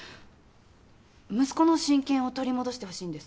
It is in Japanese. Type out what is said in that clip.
息子の親権を取り戻してほしいんです。